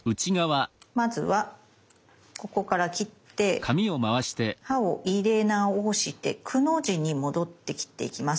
まずはここから切って刃を入れ直して「く」の字に戻って切っていきます。